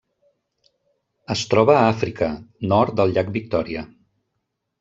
Es troba a Àfrica: nord del llac Victòria.